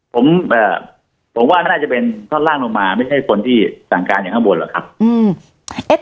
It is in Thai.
ผมเอ่อผมผมว่าน่าจะเป็นท่อนล่างลงมาไม่ใช่คนที่สั่งการอย่างข้างบนหรอกครับอืม